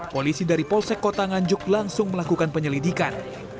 polisi dari polsek kota nganjuk langsung melakukan penyelidikan